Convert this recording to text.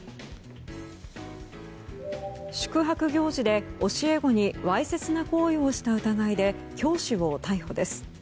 宿泊行事で教え子にわいせつな行為をした疑いで教師を逮捕です。